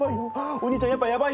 お兄ちゃんやっぱやばいよ。